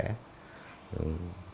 để bắt thằng tám